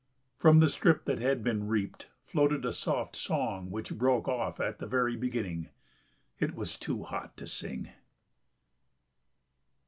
From the strip that had been reaped floated a soft song which broke off at the very beginning. It was too hot to sing.